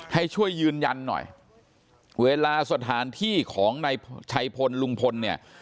ให้ช่วยยืนยันหน่อยเวลาสถานที่ของนายชัยพลลุงพลเนี่ย